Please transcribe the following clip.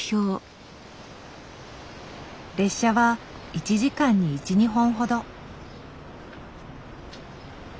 列車は１時間に１２本ほど。